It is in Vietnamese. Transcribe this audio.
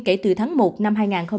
kể từ tháng một năm hai nghìn hai mươi